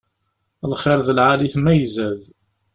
Lxiṛ d lɛali-t ma izad.